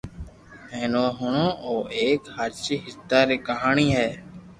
ھين او ھڻو او ايڪ ھاچي ھردا ري ڪہاني ھي